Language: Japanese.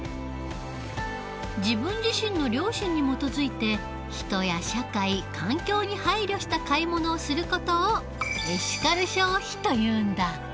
自分自身の良心に基づいて人や社会環境に配慮した買い物をする事をエシカル消費というんだ。